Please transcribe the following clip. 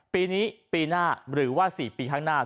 ปีนี้ปีหน้าหรือว่า๔ปีข้างหน้า